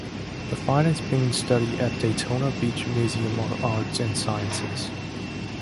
The find is being studied by the Daytona Beach Museum of Arts and Sciences.